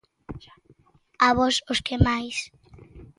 A vós, os que máis.